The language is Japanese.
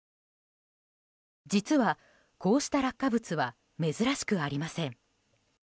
実は、こうした落下物は珍しくありません。